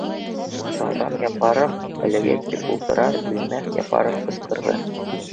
Залдан Яппаров, әлеге тик ултыра белмәҫ Яппаров ҡысҡырҙы: